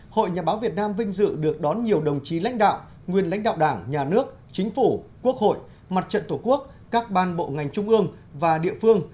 hội nhà báo việt nam vinh dự được đón nhiều đồng chí lãnh đạo nguyên lãnh đạo đảng nhà nước chính phủ quốc hội mặt trận tổ quốc các ban bộ ngành trung ương và địa phương